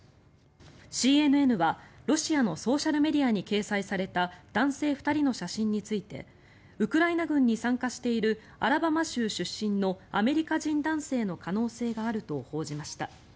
ＣＮＮはロシアのソーシャルメディアに掲載された男性２人の写真についてウクライナ軍に参加しているアラバマ州出身のアメリカ人男性の可能性があると報じました。